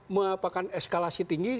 mengapakan eskalasi tinggi